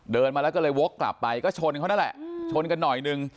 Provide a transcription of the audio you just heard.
เดินมาแล้วก็เลยวกกลับไปก็ชนเขานั่นแหละชนกันหน่อยนึง